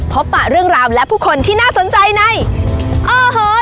พบประเรื่องราวและผู้คนที่น่าสนใจในโอ้โหไทยแลนด์